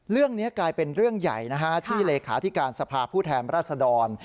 เรื่องนี้กลายเป็นเรื่องใหญ่ที่เลขาธิการสภาพผู้แทนราชดร